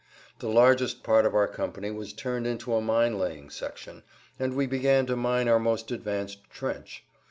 The largest part of our company was turned into a mine laying section, and we began to mine our most advanced trench.